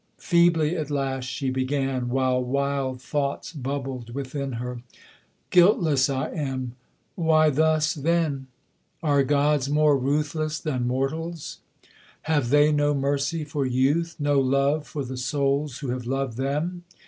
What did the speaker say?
Feebly at last she began, while wild thoughts bubbled within her 'Guiltless I am: why thus, then? Are gods more ruthless than mortals? Have they no mercy for youth? no love for the souls who have loved them?